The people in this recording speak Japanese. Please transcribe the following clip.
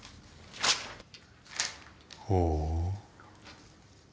ほう。